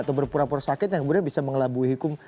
atau pura pura sakit yang mudah bisa mengelabui hukum